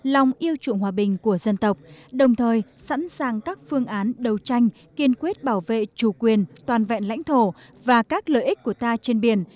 lòng yêu trụng hòa bình của dân tộc đồng thời sẵn sàng các phương án đấu tranh kiên quyết bảo vệ chủ quyền toàn vẹn lãnh thổ và các lợi ích của ta trên biển